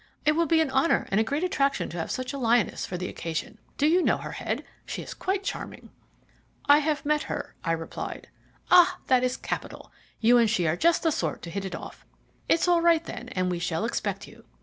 It will be an honour and a great attraction to have such a lioness for the occasion. Do you know her, Head? She is quite charming." "I have met her," I replied. "Ah! that is capital; you and she are just the sort to hit it off. It's all right, then, and we shall expect you.